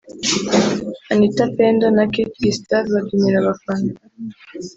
Anitha Pendo na Kate Gustave babyinira abafana